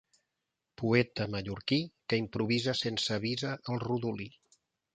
Poeta mallorquí que improvisa sense visa el rodolí.